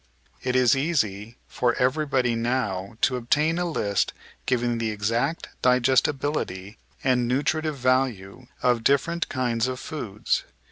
It is easy for everybody now to obtain a list giving the exact digestibility and nutritive value of different kinds of foods.